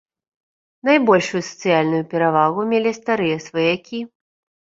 Найбольшую сацыяльную перавагу мелі старыя сваякі.